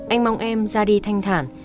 anh mong em ra đi thanh thản